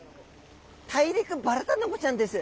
タイリクバラタナゴちゃんです。